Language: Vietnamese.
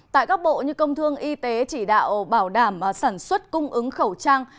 tại các bộ như công thương y tế chỉ đạo bảo đảm sản xuất cung ứng khẩu trang